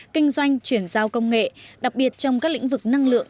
kinh doanh chuyển giao công nghệ đặc biệt trong các lĩnh vực năng lượng